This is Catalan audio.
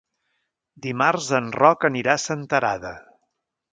Dimarts en Roc anirà a Senterada.